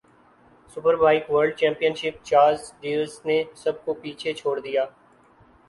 super bike world championship Chaz Davies نے سب کو پیچھے چھوڑ دیا